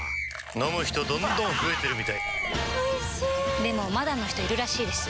飲む人どんどん増えてるみたいおいしでもまだの人いるらしいですよ